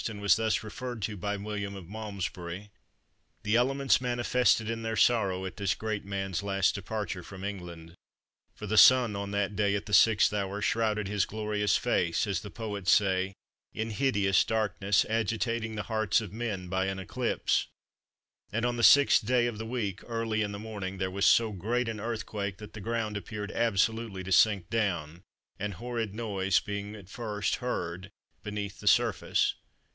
and was thus referred to by William of Malmesbury:— "The elements manifested their sorrow at this great man's last departure from England. For the Sun on that day at the 6th hour shrouded his glorious face, as the poets say, in hideous darkness agitating the hearts of men by an eclipse; and on the 6th day of the week early in the morning there was so great an earthquake that the ground appeared absolutely to sink down; an horrid noise being first heard beneath the surface."